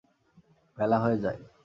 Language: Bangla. বেলা হয়ে যায়।